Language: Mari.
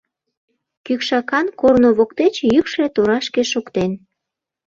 Кӱкшакан корно воктеч йӱкшӧ торашке шоктен.